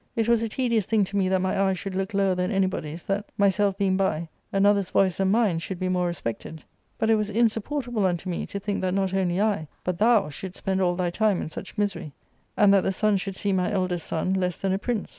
It was a tedious thing to me that my eyes should look lower than anybody's, that, myself being by, another's voice than mine should be more re spected ; but it was insupportable unto me to think that not only I, but thou, shouldst spend all thy time in such misery, and that the sun should see my eldest son less than a prince.